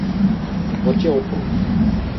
萨诺戈的职业生涯始于突尼斯。